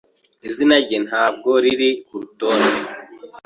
Izina rye ntabwo riri kurutonde.